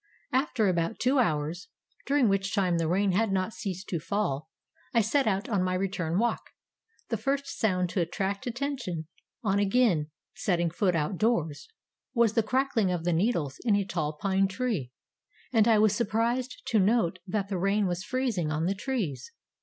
After about two hours, during which time the rain had not ceased to fall, I set out on my return walk. The first sound to attract attention, on again setting foot out doors, was the crackling of the needles in a tall pine tree, and I was surprised to note that the rain was freezing on the trees.